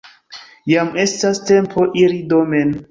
Jam estas tempo iri domen.